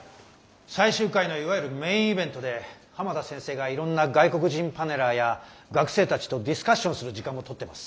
最終回のいわゆるメインイベントで浜田先生がいろんな外国人パネラーや学生たちとディスカッションする時間もとってます。